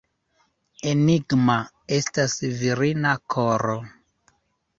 Enigma estas virina koro!